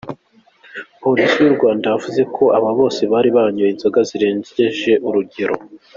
Polisi y’u Rwanda yavuze ko aba bose bari banyoye inzoga birengeje urugero.